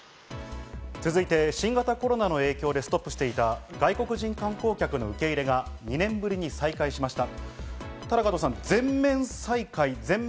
続いて、新型コロナの影響でストップしていた外国人観光客の受け入れが２年ぶりに再開しました。